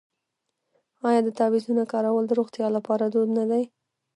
آیا د تعویذونو کارول د روغتیا لپاره دود نه دی؟